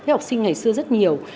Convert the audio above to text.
thế học sinh ngày xưa rất nhiều